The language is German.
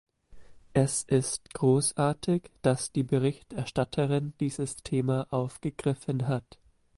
Es ist großartig, dass die Berichterstatterin dieses Thema aufgegriffen hat.